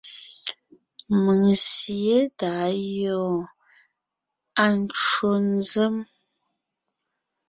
Mèŋ sǐe tà á gyɔ́ɔn; À ncwò nzèm.